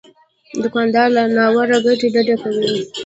دوکاندار له ناروا ګټې ډډه کوي.